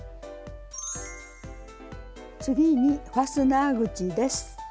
次にファスナー口です。